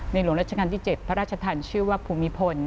หลวงราชการที่๗พระราชทันชื่อว่าภูมิพล